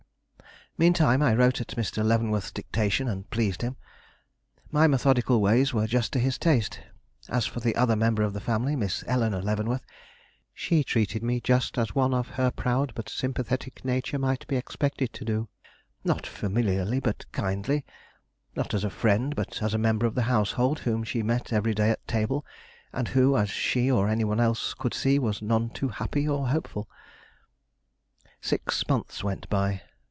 Meantime I wrote at Mr. Leavenworth's dictation and pleased him. My methodical ways were just to his taste. As for the other member of the family, Miss Eleanore Leavenworth she treated me just as one of her proud but sympathetic nature might be expected to do. Not familiarly, but kindly; not as a friend, but as a member of the household whom she met every day at table, and who, as she or any one else could see, was none too happy or hopeful. Six months went by.